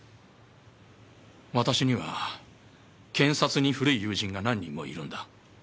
私には検察に古い友人が何人もいるんだ。